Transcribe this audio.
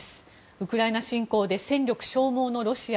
ウクライナ侵攻で戦力消耗のロシア。